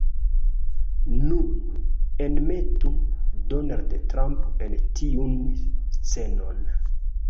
Nun, enmetu Donald Trump en tiun scenon